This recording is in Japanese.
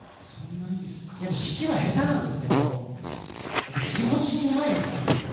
指揮は下手なんですけど気持ちにうまい下手はないので。